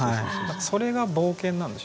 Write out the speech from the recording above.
それが冒険なんでしょうね。